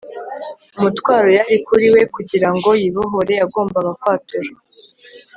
umutwaro yari kuri we. kugira ngo yibohore, yagombaga kwatura